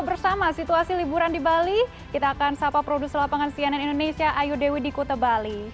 bersama situasi liburan di bali kita akan sapa produser lapangan cnn indonesia ayu dewi di kuta bali